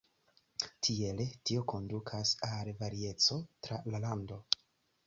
Tiele, tio kondukas al varieco tra la lando.